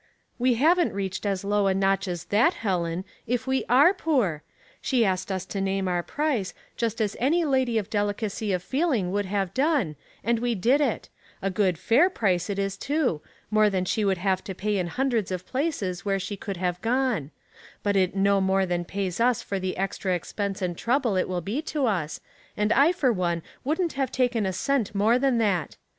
'' We haven't reached as low a notch as that, Helen, if we are poor. She asked us to name 196 Household Puzzles, our price, just as any lady of delicacy of feeling would have done, and we did it ; a good fair price it is, too, more than she would have to pay in hundreds of places where she could have gone ; but it no more than pays us for the extra ex pense and trouble it will be to us, and I for one wouldn*t have taken a cent more than that.